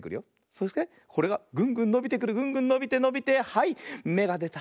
そしてこれがグングンのびてくるグングンのびてのびてはいめがでた！